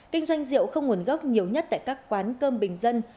kinh doanh rượu không nguồn gốc nhiều nhất tại các quán cơm bình dân